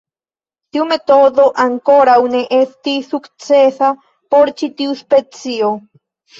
Tiu metodo ankoraŭ ne estis sukcesa por ĉi tiu specio.